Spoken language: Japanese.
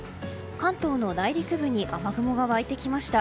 関東の内陸部に雨雲が湧いてきました。